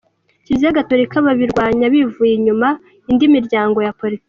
Kiliziya Gatorika babirwanya bivuye inyuma nindi miryango ya politiki.